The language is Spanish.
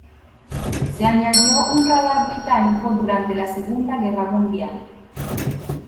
Se añadió un radar británico durante la Segunda Guerra Mundial.